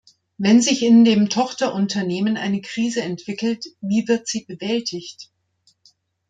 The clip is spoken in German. Wenn sich in dem Tochterunternehmen eine Krise entwickelt, wie wird sie bewältigt?